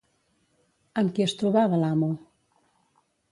Amb qui es trobava l'amo?